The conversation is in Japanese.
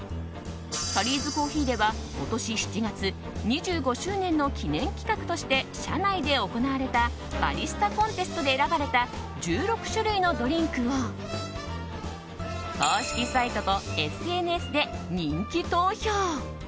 タリーズコーヒーでは今年７月２５周年の記念企画として社内で行われたバリスタコンテストで選ばれた１６種類のドリンクを公式サイトとＳＮＳで人気投票。